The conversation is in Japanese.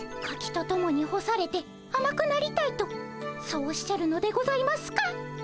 カキとともに干されてあまくなりたいとそうおっしゃるのでございますか？